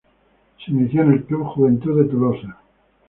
Se inició en el Club Juventud de Tolosa.